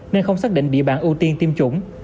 nên không xác định địa bản ưu tiên tiêm chủng